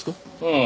ああ。